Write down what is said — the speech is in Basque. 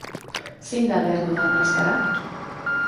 Zein da behar dudan maskara?